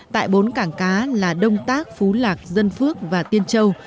tại bốn cảng cá là đông tác phú lạc dân phước và tiên châu